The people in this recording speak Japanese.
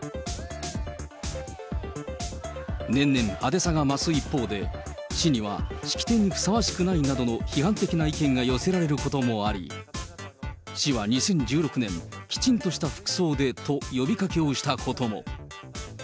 年々派手さが増す一方で、市には式典にふさわしくないなどの批判的な意見が寄せられることもあり、市は２０１６年、きちんとした服装でと呼びかけをしたことも。